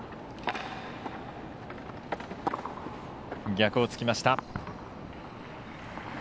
逆をつきました。